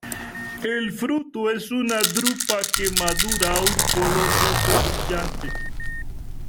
El fruto es una drupa que madura a un color rojo brillante.